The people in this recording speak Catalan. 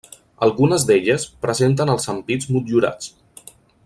Algunes d'elles presenten els ampits motllurats.